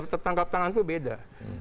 tetangkap tangan itu beda